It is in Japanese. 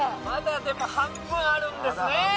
まだでも半分あるんですね。